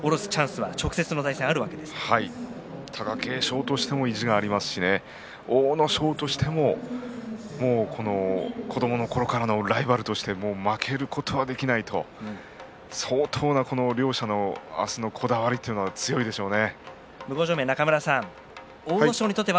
貴景勝としても意地がありますしね阿武咲としても子どものころからのライバルとして負けることはできないと相当な両者、明日のこだわりというのは強いでしょうね。